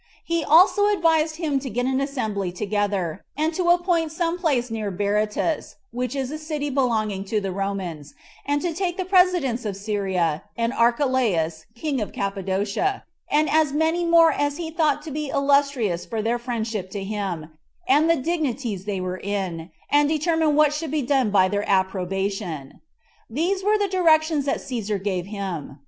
He also advised him to get an assembly together, and to appoint some place near Berytus, 14 which is a city belonging to the Romans, and to take the presidents of Syria, and Archelaus king of Cappadocia, and as many more as he thought to be illustrious for their friendship to him, and the dignities they were in, and determine what should be done by their approbation. These were the directions that Cæsar gave him.